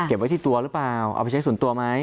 ไว้ที่ตัวหรือเปล่าเอาไปใช้ส่วนตัวไหม